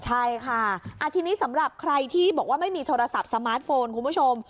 ใช่ค่ะทีนี้สำหรับใครที่บอกว่าไม่มีโทรศัพท์สมาร์ทโฟนคุณผู้ชม